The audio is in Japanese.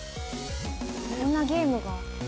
こんなゲームが。